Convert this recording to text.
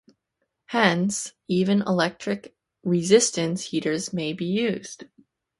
Hence, even electric resistance heaters may be used.